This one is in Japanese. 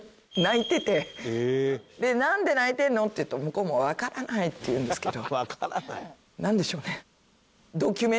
「ねえなんで泣いてるの？」って言うと向こうも「わからない！」って言うんですけど。